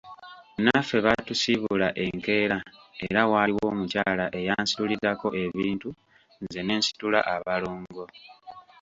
Naffe baatusiibula enkeera era waaliwo omukyala eyansitulirako ebintu nze ne nsitula abalongo.